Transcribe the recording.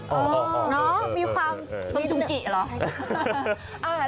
เออมีความสมจุงกิหรอ